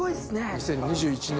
２０２１年。